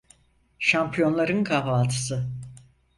Şampiyonların kahvaltısı.